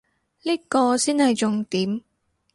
呢個先係重點